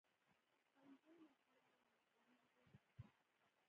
ښوونځی ماشومان له ناپوهۍ ژغوري.